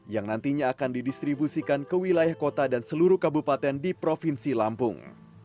yang nantinya akan didistribusikan ke wilayah kota dan seluruh kabupaten di provinsi lampung